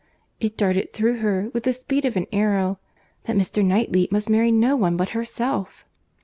It darted through her, with the speed of an arrow, that Mr. Knightley must marry no one but herself!